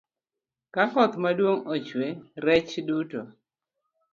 Ka koth maduong' ochwe, rech duto